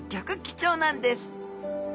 貴重なんです。